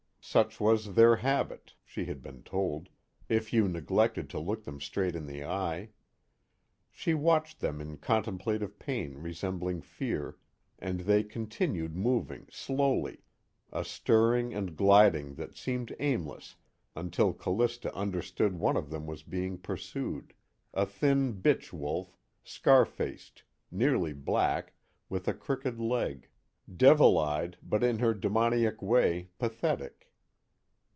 Such was their habit (she had been told) if you neglected to look them straight in the eye. She watched them in contemplative pain resembling fear, and they continued moving, slowly, a stirring and gliding that seemed aimless until Callista understood one of them was being pursued, a thin bitch wolf, scar faced, nearly black, with a crooked leg, devil eyed but in her demoniac way pathetic.